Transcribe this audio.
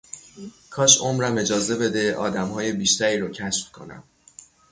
کاش عمرم اجازه بده آدمهای بیشتری رو کشف کنم